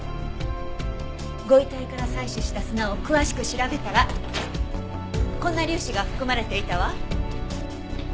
ご遺体から採取した砂を詳しく調べたらこんな粒子が含まれていたわ。